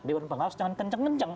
dewan pengawas jangan kencang kencang